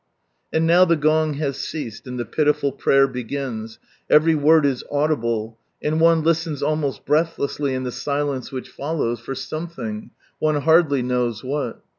And now the gong has ceased, and the pitiful prayer begins, every word is audible, and one listens almost breathlessly in the silence which follows, for some thing, one hardly knows what.